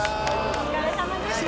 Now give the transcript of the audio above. お疲れさまでした。